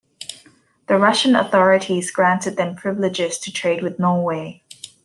The Russian authorities granted them privileges to trade with Norway.